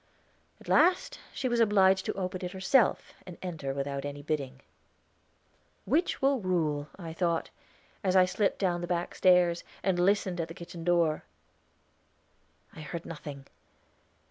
At last she was obliged to open it herself, and enter without any bidding. "Which will rule?" I thought, as I slipped down the back stairs, and listened at the kitchen door. I heard nothing.